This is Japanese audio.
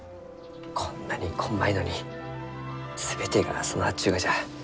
こんなにこんまいのに全てが備わっちゅうがじゃ。